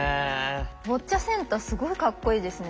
ボッチャセンターすごいかっこいいですね。